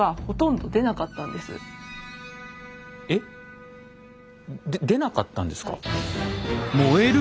で出なかったんですか？